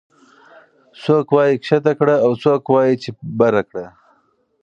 څوک وايي ښکته کړه او څوک وايي چې بره کړه